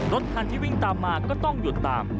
รถคันที่วิ่งตามมาก็ต้องหยุดตาม